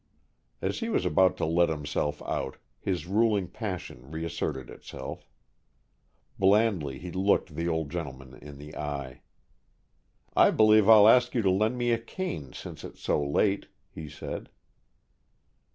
As he was about to let himself out, his ruling passion reasserted itself. Blandly he looked the old gentleman in the eye. "I believe I'll ask you to lend me a cane, since it's so late," he said.